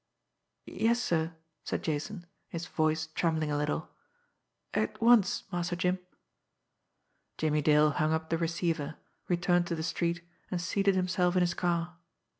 "Yes, sir," said Jason, his voice trembling a little. "At once, Master Jim." Jimmie Dale hung up the receiver, returned to the street, and seated himself in his car.